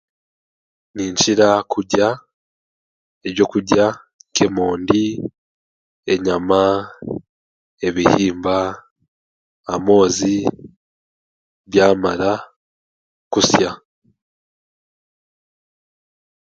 Ninkira kurya ebyokurya nk'emondi, enyama, ebihimba, amoozi byamara kusya.